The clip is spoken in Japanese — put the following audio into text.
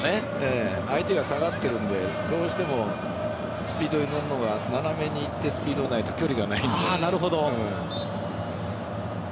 相手が下がっているのでどうしても斜めに行ってスピードに乗らないと距離がないので。